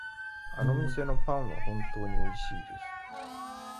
あの店のパンは本当においしいです。